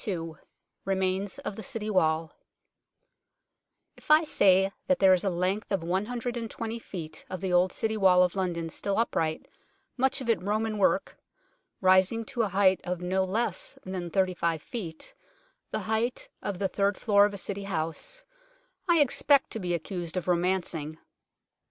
II REMAINS OF THE CITY WALL IF I say that there is a length of 120 feet of the old City Wall of London still upright, much of it Roman work, rising to a height of no less than 35 feet the height of the third floor of a City house I expect to be accused of romancing.